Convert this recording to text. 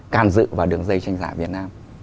càn dự vào đường dây tranh giả việt nam